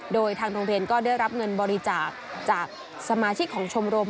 โดยทางโรงเรียนก็ได้รับเงินบริจาคจากสมาชิกของชมรม